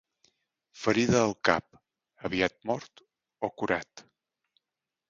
Ferida al cap, aviat mort o curat.